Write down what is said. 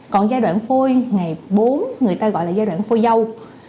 còn giai đoạn phôi ngày bốn người ta gọi là giai đoạn phôi dâu